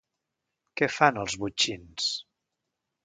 Què fan els botxins?